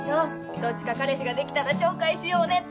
どっちか彼氏ができたら紹介しようねって。